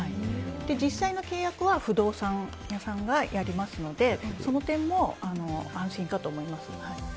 実際の契約は不動産屋さんがやりますのでその点も安心かと思います。